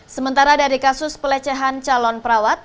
sementara dari kasus pelecehan calon perawat